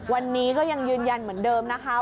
วันนี้ก็ยังยืนยันเหมือนเดิมนะคะ